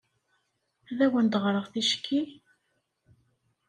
Ad awen-d-ɣreɣ ticki?